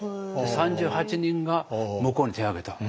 ３８人が向こうに手を挙げた。